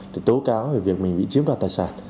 để tố cáo về việc mình bị chiếm đoạt tài sản